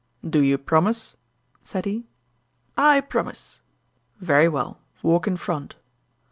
"Do you promise?" said he. "I promise!" "Very well walk in front."